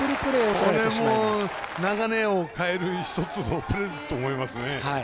これも流れを変えるひとつのプレーだと思いますね。